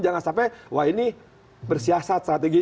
jangan sampai bersiasat strategi